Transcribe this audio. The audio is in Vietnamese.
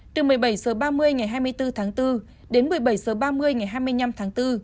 từ một mươi bảy h ba mươi ngày hai mươi bốn tháng bốn đến một mươi bảy h ba mươi ngày hai mươi năm tháng bốn